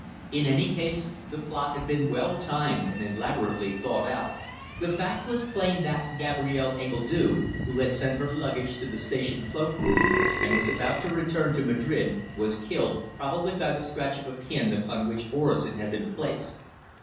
In any case, the plot had been well timed and elaborately thought out. The fact was plain that Gabrielle Engledue, who had sent her luggage to the station cloak room and was about to return to Madrid, was killed, probably by the scratch of a pin upon which orosin had been placed.